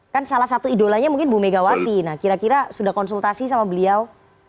kan salah satu idolanya mungkin bu megawati nah kira kira sudah konsultasi sama beliau